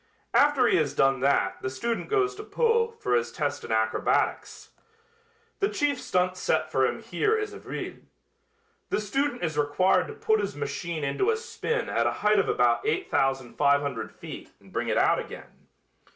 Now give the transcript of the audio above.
After he has done that the student goes to Pau for his test in acrobatics. The chief stunt set for him here is a vrille. The student is required to put his machine into a spin at a height of about 8500 feet and bring it out again.